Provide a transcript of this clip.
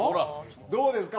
どうですか？